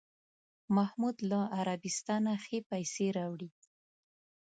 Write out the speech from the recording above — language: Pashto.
محمود له عربستانه ښې پسې راوړې.